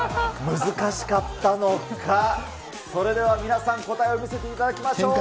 難しかったのか、それでは皆さん、答えを見せていただきましょう。